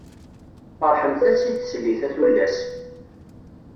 Ferḥemt-as i teslit, a tullas!